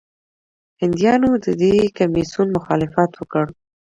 هندیانو د دې کمیسیون مخالفت وکړ.